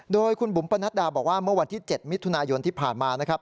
โดยคุณบุ๋มปนัดดาบอกว่าเมื่อวันที่๗มิถุนายนที่ผ่านมานะครับ